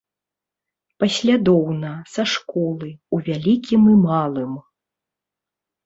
Паслядоўна, са школы, у вялікім і малым.